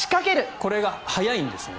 これが速いんですね。